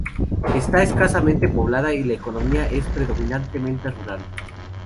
Está escasamente poblada y la economía es predominantemente rural.